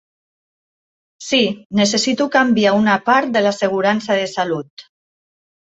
Sí, necessito canviar una part de l'assegurança de salut.